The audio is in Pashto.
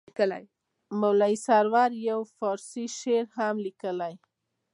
مولوي سرور یو فارسي شعر هم لیکلی.